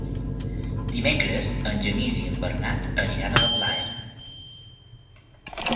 Dimecres en Genís i en Bernat aniran a la platja.